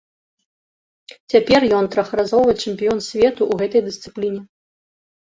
Цяпер ён трохразовы чэмпіён свету ў гэтай дысцыпліне.